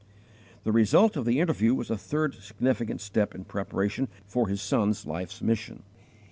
The result of the interview was a third significant step in preparation for his son's life's mission.